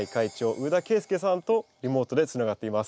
上田恵介さんとリモートでつながっています。